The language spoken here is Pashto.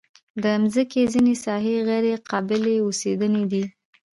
د مځکې ځینې ساحې غیر قابلې اوسېدنې دي.